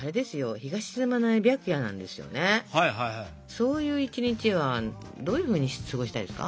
そういう一日はどういうふうに過ごしたいですか？